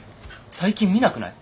最近見なくない？